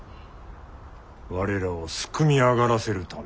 我らをすくみ上がらせるため。